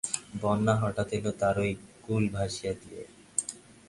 বন্যা হঠাৎ এল তারই কূল ভাসিয়ে দিয়ে।